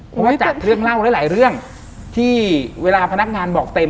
เพราะว่าจากเรื่องเล่าหลายเรื่องที่เวลาพนักงานบอกเต็ม